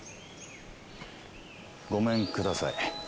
ごめんください。